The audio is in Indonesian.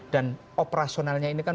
dan operasionalnya ini kan